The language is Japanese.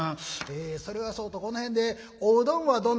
「えそれはそうとこの辺でおうどんはどんなもんで？」。